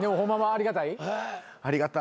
ありがたい。